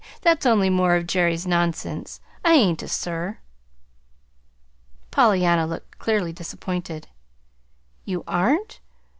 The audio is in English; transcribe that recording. That's only more of Jerry's nonsense. I ain't a 'Sir.'" Pollyanna looked clearly disappointed. "You aren't?